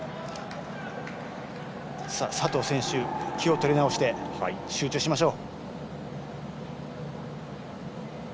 佐藤選手、気を取り直して集中しましょう。